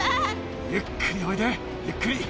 ゆっくりおいで、ゆっくり。